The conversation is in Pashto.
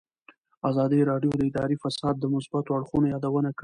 ازادي راډیو د اداري فساد د مثبتو اړخونو یادونه کړې.